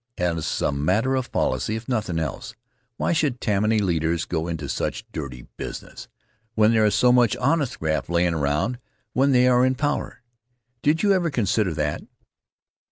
As a matter of policy, if nothing else, why should the Tammany leaders go into such dirty business, when there is so much honest graft lyin' around when they are in power? Did you ever consider that?